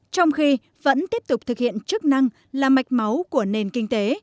trong khi vẫn tiếp tục thực hiện chức năng là mạch máu của nền kinh tế